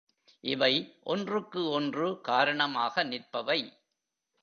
இவை ஒன்றுக்கு ஒன்று காரணமாக நிற்பவை.